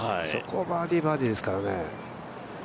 そこをバーディー、バーディーですからね。